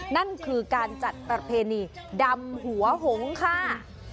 นั่นคือการจัดประเพณีดำหัวหงค่ะ